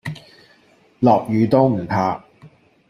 落雨都唔怕